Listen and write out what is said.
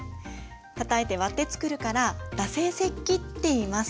たたいて割って作るから打製石器っていいます。